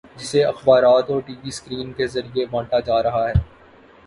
جسے اخبارات اور ٹی وی سکرین کے ذریعے بانٹا جا رہا ہے۔